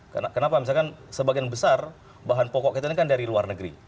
kenapa misalkan sebagian besar bahan pokok kita ini kan dari luar negeri